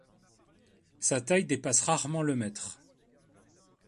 Sa taille dépasse rarement le mètre.